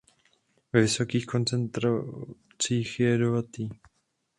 Ve vysokých koncentracích je jedovatý.